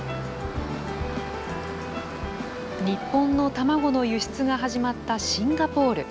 日本の卵の輸出が始まったシンガポール。